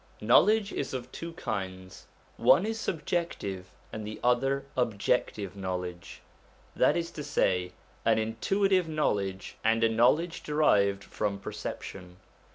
Knowledge is of two kinds: one is sub jective, and the other objective knowledge; that is to say, an intuitive knowledge and a knowledge derived from perception.